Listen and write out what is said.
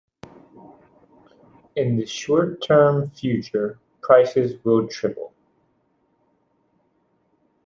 In the short term future, prices will triple.